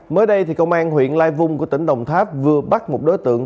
mới đây công an huyện lai vung của tỉnh đồng tháp vừa bắt một đối tượng